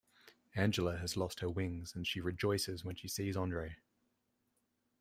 Angela has lost her wings, and she rejoices when she sees Andre.